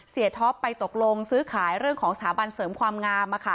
ท็อปไปตกลงซื้อขายเรื่องของสถาบันเสริมความงาม